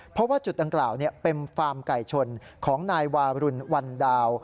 เพราะว่าจุดดังกล่าวเป็นฟาร์มไก่ชนของนายวารุณวันดาว